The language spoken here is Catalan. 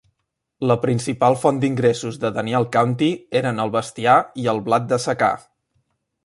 La principal font d'ingressos de Daniel County eren el bestiar i el blat de secà.